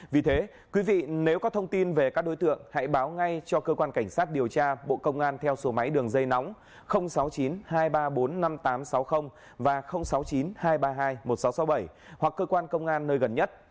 vì thế quý vị nếu có thông tin về các đối tượng hãy báo ngay cho cơ quan cảnh sát điều tra bộ công an theo số máy đường dây nóng sáu mươi chín hai trăm ba mươi bốn năm nghìn tám trăm sáu mươi và sáu mươi chín hai trăm ba mươi hai một nghìn sáu trăm sáu mươi bảy hoặc cơ quan công an nơi gần nhất